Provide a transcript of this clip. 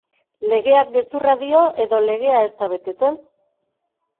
Legeak gezurra dio edo legea ez da betetzen?